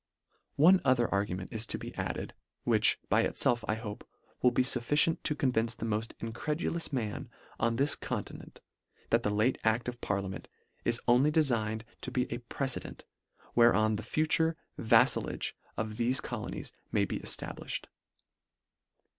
One other argument is to be added, which, by itfelf, I hope, will be fufficient to convince the morl incredulous man on this continent, that the late act of Parliament is only defigned to be a precedent, whereon the future vaffalage of thefe colonies may be eftablifhed.